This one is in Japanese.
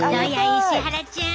石原ちゃん。